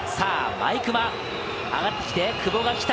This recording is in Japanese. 毎熊上がってきて久保が来た！